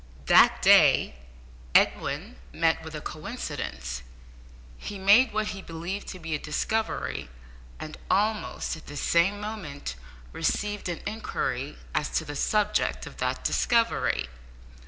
That day Edwin met with a coincidence, he made what he believed to be a discovery, and almost at the same moment received an inquiry as to the subject of that discovery.